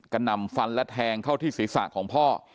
นำฟันและแทงเข้าที่ศีรษะของพ่อ